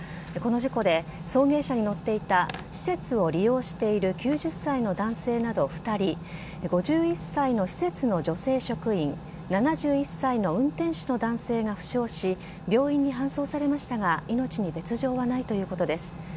この事故で送迎車に乗っていた施設を利用している９０歳の男性など２人５１歳の施設の女性職員７１歳の運転手の男性が負傷し病院に搬送されましたが命に別条はないということです。